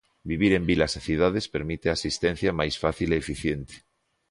Vivir en vilas e cidades permite a asistencia máis fácil e eficiente.